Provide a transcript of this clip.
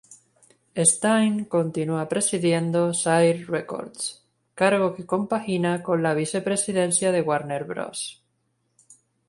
Stein continúa presidiendo Sire Records, cargo que compagina con la vicepresidencia de Warner Bros.